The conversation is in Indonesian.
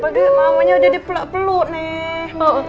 pagi pagi mamanya udah dipeluk peluk nin